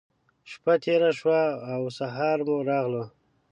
شپّه تېره شوه او سهار مو راغلو.